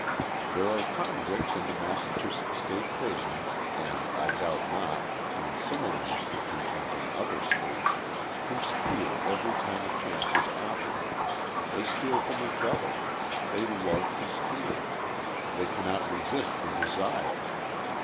There are convicts in the Massachusetts State Prison, and, I doubt not, in similar institu tions in other states, who steal every time a chance is offered. — They steal from each other. They love to steal ; they cannot re sist the desire.